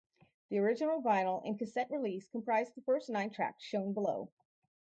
The original vinyl and cassette release comprised the first nine tracks shown below.